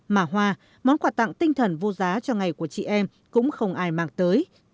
mà hoa món quà tặng tinh thần vô giá cho ngày của chị em cũng không ai mang tới